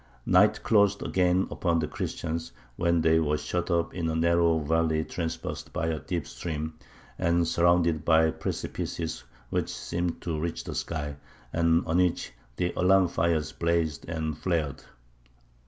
"Night closed again upon the Christians, when they were shut up in a narrow valley traversed by a deep stream, and surrounded by precipices which seemed to reach the sky, and on which the alarm fires blazed and flared.